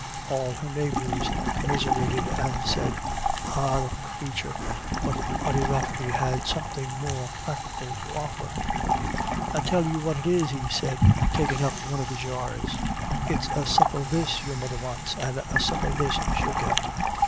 All her neighbours commiserated, and said, " Ah, the crathur !'— but Ody Rafferty had something more practical to offer. GOT THE BETTER OF. 119 u I'll tell you what it is," he said, taking up one of the jars ;" it's a sup of this your mother wants, and a sup of this she'll git.